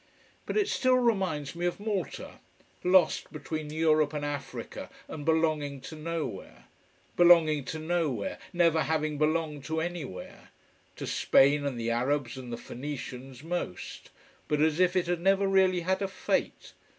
But it still reminds me of Malta: lost between Europe and Africa and belonging to nowhere. Belonging to nowhere, never having belonged to anywhere. To Spain and the Arabs and the Phoenicians most. But as if it had never really had a fate.